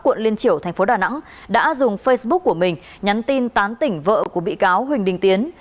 quận liên triểu thành phố đà nẵng đã dùng facebook của mình nhắn tin tán tỉnh vợ của bị cáo huỳnh đình tiến